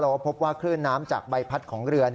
ว่าพบว่าคลื่นน้ำจากใบพัดของเรือ